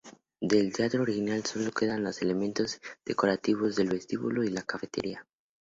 Del teatro original solo quedan los elementos decorativos del vestíbulo y la cafetería.